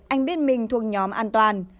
anh biết mình thuộc nhóm an toàn